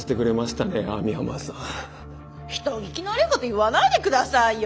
人聞きの悪いこと言わないで下さいよ。